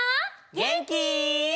げんき？